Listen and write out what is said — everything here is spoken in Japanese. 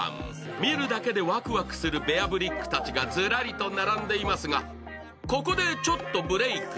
見るだけでワクワクするベアブリックたちがずらりと並んでいますが、ここでちょっとブレーク。